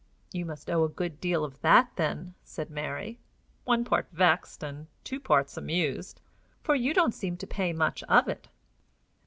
"You must owe a good deal of that, then," said Mary, one part vexed, and two parts amused, "for you don't seem to pay much of it."